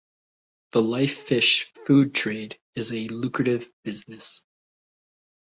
The life fish food trade is a lucrative business.